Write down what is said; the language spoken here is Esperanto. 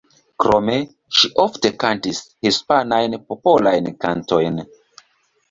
Krome, ŝi ofte kantis hispanajn popolajn kantojn.